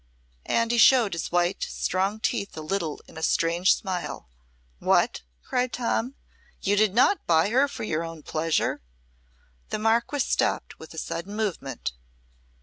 And he showed his white, strong teeth a little in a strange smile. "What!" cried Tom. "You did not buy her for your own pleasure ?" The Marquess stopped with a sudden movement.